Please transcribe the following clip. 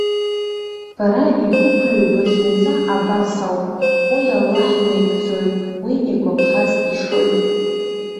Бара ибықәҩу блахьынҵа абас ауп, уи Аллаҳ инаигӡоит, уи игәаԥхаз ишоит.